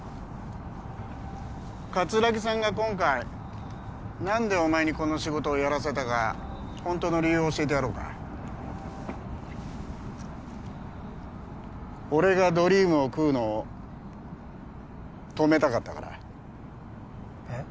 桂木さんが今回何でお前にこの仕事をやらせたかほんとの理由を教えてやろうか俺がドリームを喰うのを止めたかったからえっ？